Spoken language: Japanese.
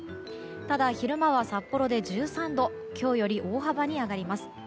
ただ、昼間は札幌で１３度と今日より大幅に上がります。